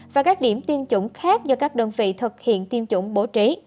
và các điểm tiêm chủng khác do các đơn vị thực hiện tiêm chủng bổ trí